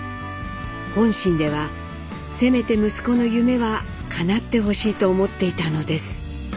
本心ではせめて息子の夢はかなってほしいと思っていたのです。